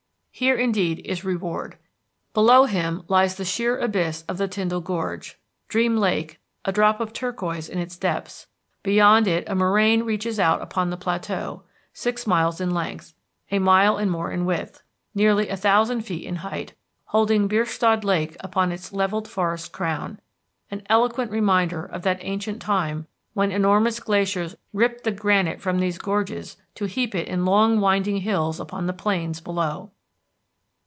Here indeed is reward. Below him lies the sheer abyss of the Tyndall Gorge, Dream Lake, a drop of turquoise in its depths; beyond it a moraine reaches out upon the plateau six miles in length, a mile and more in width, nearly a thousand feet in height, holding Bierstadt Lake upon its level forested crown, an eloquent reminder of that ancient time when enormous glaciers ripped the granite from these gorges to heap it in long winding hills upon the plains below.